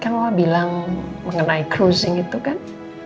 kalau mama bilang mengenai cruising itu kan